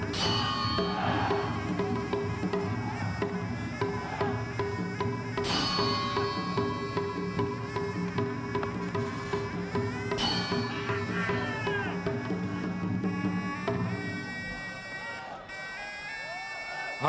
tni terhadap pahlawan tni memperoleh menyebabkan kegiatan